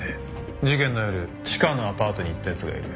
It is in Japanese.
事件の夜チカのアパートに行った奴がいる。